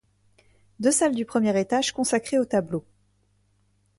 Deux salles du premier étage consacrées aux tableaux.